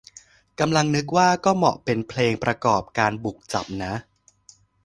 กำลังนึกว่า ก็เหมาะเป็นเพลงประกอบการบุกจับนะ